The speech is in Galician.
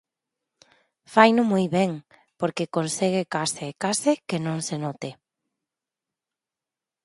Faino moi ben, porque consegue case, case que non se note.